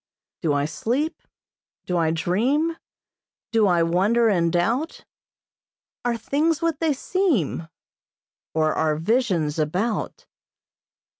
"Do I sleep? Do I dream? Do I wonder and doubt? Are things what they seem? Or are visions about?"